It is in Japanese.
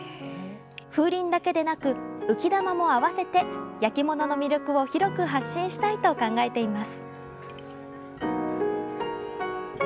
風鈴だけでなく浮き球も合わせて焼き物の魅力を広く発信したいと考えています。